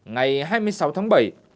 ngày hai mươi sáu tháng bảy